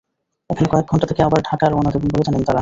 এখানে কয়েক ঘণ্টা থেকে আবার ঢাকা রওনা দেবেন বলে জানালেন তাঁরা।